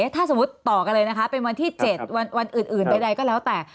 ถ้าสมมุติต่อกันเลยนะคะเป็นวันที่๗วันอื่นใดก็แล้วแต่